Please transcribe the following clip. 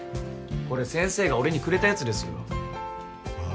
これ先生が俺にくれたやつですよあっ？